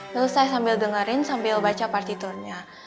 terus saya sambil dengerin sambil baca partiturnya